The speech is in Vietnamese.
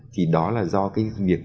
thì đó là do cái việc